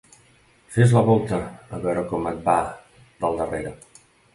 Fes la volta, a veure com et va del darrere.